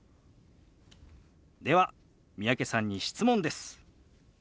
では三宅さんに質問です。